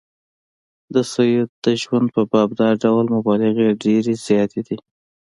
د سید د ژوند په باب دا ډول مبالغې ډېرې زیاتې دي.